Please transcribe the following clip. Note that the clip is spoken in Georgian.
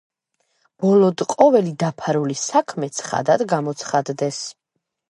ბოლოდ ყოვლი დაფარული საქმე ცხადად გამოცხადდეს.